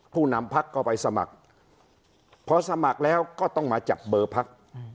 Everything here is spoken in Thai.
นำพักก็ไปสมัครพอสมัครแล้วก็ต้องมาจับเบอร์พัก